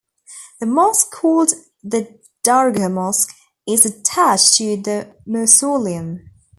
A mosque called the Dargha Mosque is attached to the mausoleum.